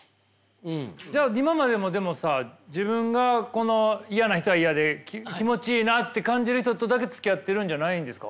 じゃあ今までも自分がこの嫌な人は嫌で気持ちいいなって感じる人とだけつきあっているんじゃないんですか。